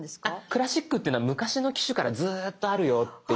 「クラシック」っていうのは昔の機種からずっとあるよっていうものがはい。